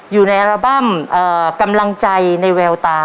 อยู่ในอัลบั้มกำลังใจในแววตา